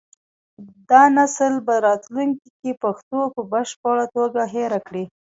دا نسل به راتلونکي کې پښتو په بشپړه توګه هېره کړي.